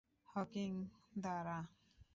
Hawking, দাঁড়া!